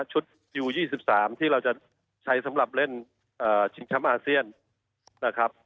ชุดยูยี่สิบสามที่เราจะใช้สำหรับเล่นเอ่ออาเซียนนะครับ